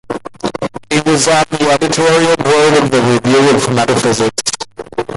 He was on the editorial board of "The Review of Metaphysics".